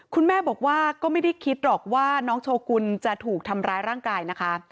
คุณแม่บอกว่าก็ไม่ได้คิดหรอกว่าน้องโชกุลจะถูกทำร้ายร่างกายนะคะ